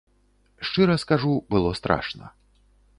Шчыра скажу, было страшна.